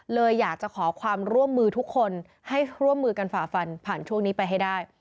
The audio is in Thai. เลยอยากจะขอความร่วมมือทุกคนให้ร่วมมือกันฝ่าฟันผ่านช่วงนี้ไปให้ได้